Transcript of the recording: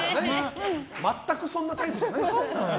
全くそんなタイプじゃないでしょ！